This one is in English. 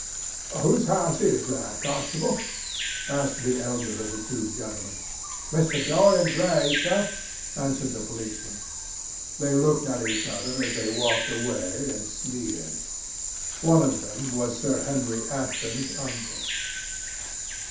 "Whose house is that, Constable?" asked the elder of the two gentlemen. "Mr. Dorian Gray's, sir," answered the policeman. They looked at each other, as they walked away, and sneered. One of them was Sir Henry Ashton's uncle.